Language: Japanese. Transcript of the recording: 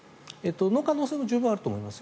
その可能性も十分あると思います。